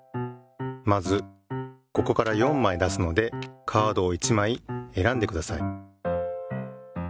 まずここから４まい出すのでカードを１まいえらんでください。